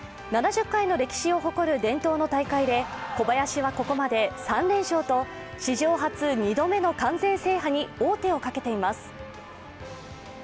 ７０回の歴史を誇る伝統の大会で小林はここまで３連勝と史上初２度目の完全制覇に王手をかけています。